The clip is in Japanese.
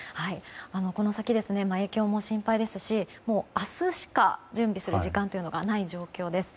この先、影響も心配ですし明日しか準備する時間がない状況です。